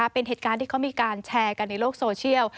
เป็นเหตุการณ์ที่เขามีการแชร์กันในโลกโซเชียล